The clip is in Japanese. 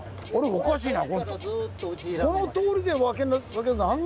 おかしいな。